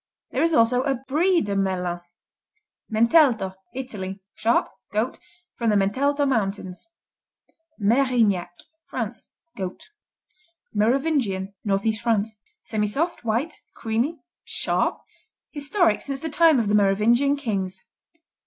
There is also a Brie de Melun. Mentelto Italy Sharp; goat; from the Mentelto mountains Merignac France Goat. Merovingian Northeast France Semisoft; white; creamy; sharp; historic since the time of the Merovingian kings.